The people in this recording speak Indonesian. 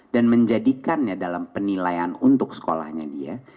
dan menjadikannya dalam penilaian untuk sekolahnya dia